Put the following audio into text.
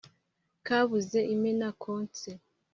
kabuze imena konse